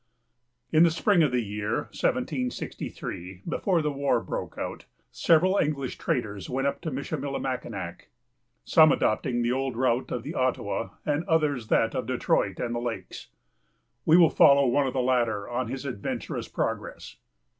In the spring of the year 1763, before the war broke out, several English traders went up to Michillimackinac, some adopting the old route of the Ottawa, and others that of Detroit and the lakes. We will follow one of the latter on his adventurous progress.